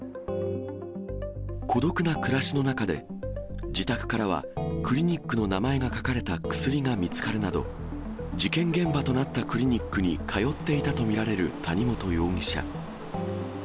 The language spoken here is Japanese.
孤独な暮らしの中で、自宅からはクリニックの名前が書かれた薬が見つかるなど、事件現場となったクリニックに通っていたと見られる谷本容疑者。